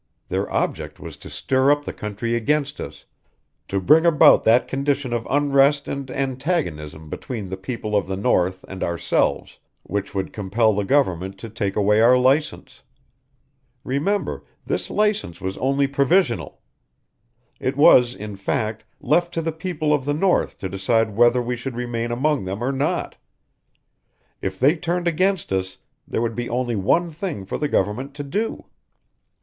Their object was to stir up the country against us, to bring about that condition of unrest and antagonism between the people of the north and ourselves which would compel the government to take away our license. Remember, this license was only provisional. It was, in fact, left to the people of the north to decide whether we should remain among them or not. If they turned against us there would be only one thing for the government to do.